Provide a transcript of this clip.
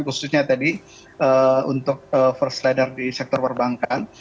khususnya tadi untuk first leader di sektor perbankan